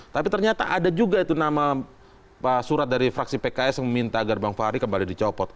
tapi ternyata ada juga itu nama surat dari fraksi pks yang meminta agar bang fahri kembali dicopot